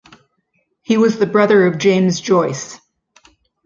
He was the brother of James Joyce.